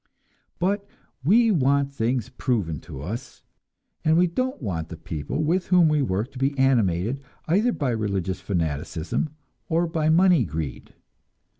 But we want things proven to us, and we don't want the people with whom we work to be animated either by religious fanaticism or by money greed.